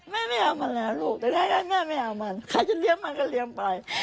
แม่ไม่เอามันแล้วลูกแต่ถ้างั้นแม่ไม่เอามันใครจะเลี้ยงมันก็เลี้ยงไป